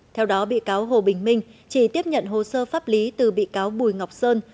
theo đó bị cáo hồ bình minh chỉ tiếp nhận hồ sơ pháp lý từ bị cáo bùi ngọc sơn